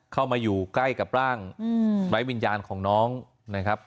เข้ามาอยู่ใกล้กับร่างไร้วิญญาณของน้องนะครับ